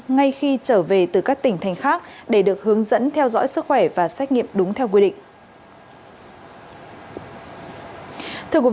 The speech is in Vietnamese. ngay khi trở về từ các tỉnh thành khác để được hướng dẫn theo dõi sức khỏe và xét nghiệm đúng theo quy định